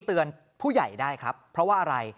เตือนผู้ใหญ่ได้ครับเพราะว่าอะไร